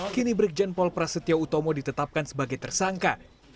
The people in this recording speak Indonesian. kini brikjenpol prasetyo utomo ditetapkan sebagai tersangka